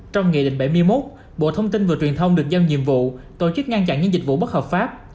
trong nghị định bảy mươi một bộ thông tin và truyền thông được giao nhiệm vụ tổ chức ngăn chặn những dịch vụ bất hợp pháp